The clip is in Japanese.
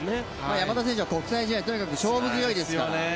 山田選手は国際試合、勝負強いですから。